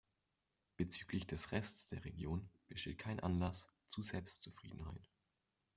Bezüglich des Rests der Region besteht kein Anlass zu Selbstzufriedenheit.